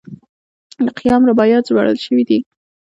د خیام رباعیات ژباړل شوي دي.